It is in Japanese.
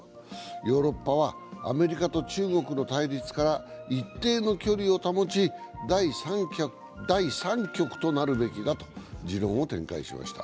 ヨーロッパはアメリカと中国の対立から一定の距離を保ち、第三極となるべきだと持論を展開しました。